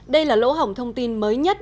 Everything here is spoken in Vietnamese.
đây là lỗ hỏng thông tin mới nhất